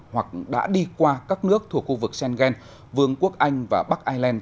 hoặc đã đi qua các nước thuộc khu vực schengen vương quốc anh và bắc ireland